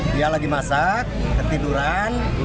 dia lagi masak ketiduran